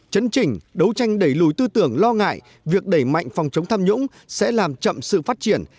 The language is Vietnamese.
chấn chỉnh đấu tranh đẩy lùi tư tưởng lo ngại việc đẩy mạnh phòng chống tham nhũng sẽ làm chậm sự phát triển